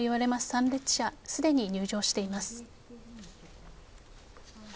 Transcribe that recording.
参列者はすでに入場しています。